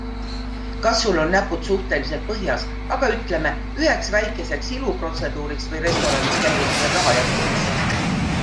Kas sul on näpud suhteliselt põhjas, aga ütleme, üheks väikeseks iluprotseduuriks või restoraniskäiguks veel raha jätkuks?